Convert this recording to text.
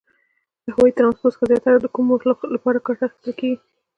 له هوایي ترانسپورت څخه زیاتره د کومو موخو لپاره ګټه اخیستل کیږي؟